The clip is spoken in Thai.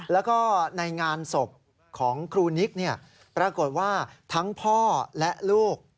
แล้วก็ในงานศพของครูนิกปรากฏว่าทั้งพ่อและลูก